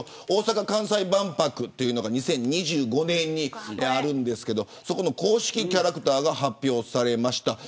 大阪・関西万博が２０２５年にあるんですがそこの公式キャラクターが発表されました。